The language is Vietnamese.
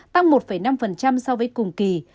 tăng một năm so với cùng kỳ